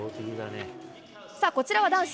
さあ、こちらは男子。